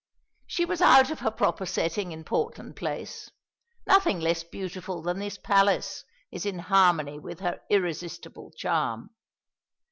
"She was out of her proper setting in Portland Place. Nothing less beautiful than this palace is in harmony with her irresistible charm.